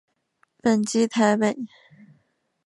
本籍台北。